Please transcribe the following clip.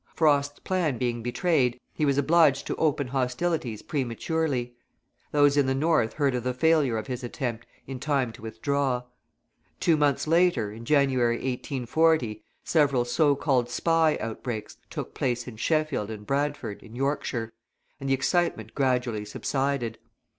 Frost's plan being betrayed, he was obliged to open hostilities prematurely. Those in the North heard of the failure of his attempt in time to withdraw. Two months later, in January, 1840, several so called spy outbreaks took place in Sheffield and Bradford, in Yorkshire, and the excitement gradually subsided.